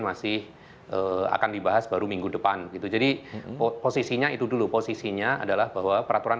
masih akan dibahas baru minggu depan gitu jadi posisinya itu dulu posisinya adalah bahwa peraturan